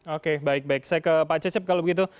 oke baik baik saya ke pak cecep kalau begitu